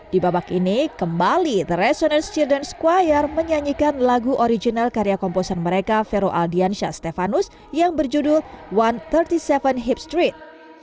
di babak ini kembali the resonance children's choir menyanyikan lagu original karya komposer mereka fero aldian shah stephanus yang berjudul satu ratus tiga puluh tujuh hip street